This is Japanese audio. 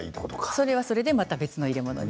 それはそれで別の入れ物に。